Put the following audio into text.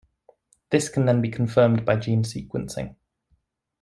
This can then be confirmed by gene sequencing.